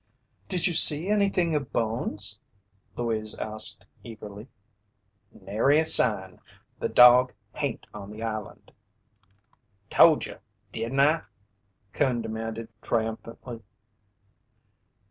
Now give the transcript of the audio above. "Did you see anything of Bones?" Louise asked eagerly. "Nary a sign. The dog hain't on the island." "Told ye, didn't I?" Coon demanded triumphantly.